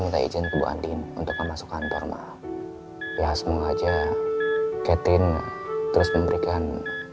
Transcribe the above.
minta izin ke bu andien untuk masuk kantor maaf ya semoga aja catherine terus memberikan